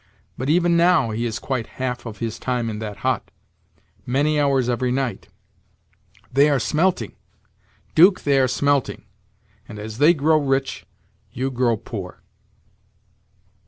But even now, he is quite half of his time in that hut many hours every night. They are smelting, 'Duke they are smelting, and as they grow rich, you grow poor."